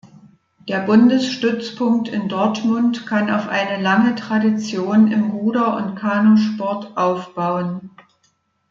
Der Bundesstützpunkt in Dortmund kann auf eine lange Tradition im Ruder- und Kanusport aufbauen.